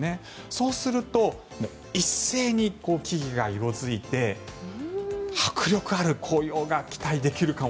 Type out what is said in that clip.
そうすると一斉に木々が色付いて迫力ある紅葉が期待できるかも。